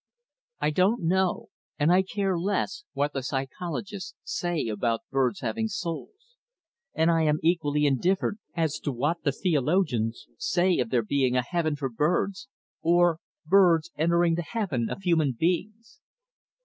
I don't know, and I care less, what the psychologists say about birds having souls, and I am equally indifferent as to what the theologians say of there being a heaven for birds, or birds entering the heaven of human beings.